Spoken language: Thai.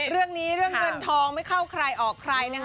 เรื่องนี้เรื่องเงินทองไม่เข้าใครออกใครนะคะ